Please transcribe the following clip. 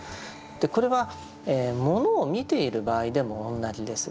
これはものを見ている場合でも同じです。